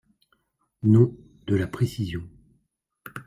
Non, de la précision.